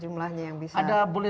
menjaga desain dan gedih